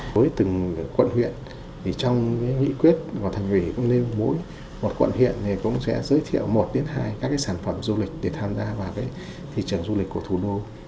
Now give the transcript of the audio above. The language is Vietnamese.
với từng quận huyện trong nghị quyết của thành ủy mỗi quận huyện sẽ giới thiệu một hai sản phẩm du lịch để tham gia vào thị trường du lịch của thủ đô